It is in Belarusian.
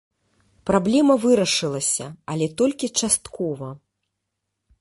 Праблема вырашылася, але толькі часткова.